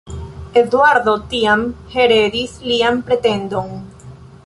Eduardo tiam heredis lian pretendon.